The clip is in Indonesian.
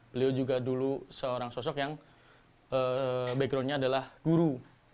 beliau juga dulu seorang sosok yang backgroundnya adalah guru